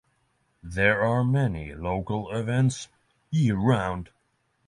There are many local events year-round.